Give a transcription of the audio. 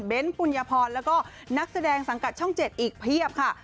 เป็นปุญญพรแล้วก็นักแสดงสังกัดช่อง๗อีกเพียบค่ะ